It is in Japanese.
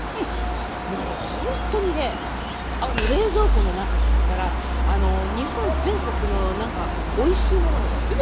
もう本当にね冷蔵庫の中っていったら日本全国のおいしいものが全てそろっているんですよ。